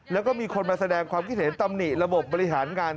แล้วก็มีคนมาแสดงความคิดเห็นตำหนิระบบบบริหารงาน